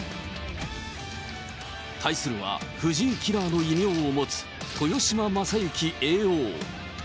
対するは、藤井キラーの異名を持つ豊島将之叡王。